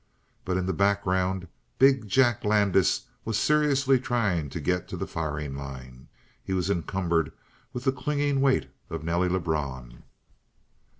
But in the background big Jack Landis was seriously trying to get to the firing line. He was encumbered with the clinging weight of Nelly Lebrun.